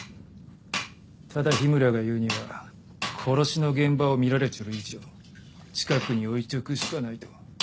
ただ緋村が言うには殺しの現場を見られちょる以上近くに置いちょくしかないと。